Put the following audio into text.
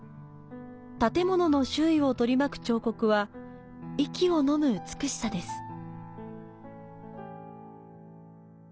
建物の周囲を取り巻く彫刻は息を飲む美しさです。